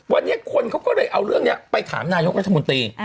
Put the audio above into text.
วันนี้คนเขาก็เลยเอาเรื่องนี้ไปถามนายกรัฐมนตรี